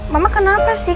mama kenapa sih